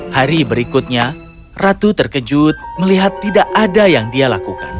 hari berikutnya ratu terkejut melihat tidak ada yang dia lakukan